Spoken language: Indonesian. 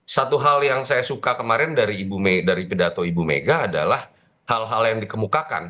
satu hal yang saya suka kemarin dari pidato ibu mega adalah hal hal yang dikemukakan